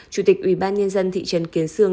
chủ tịch ubnd thị trấn kiến sương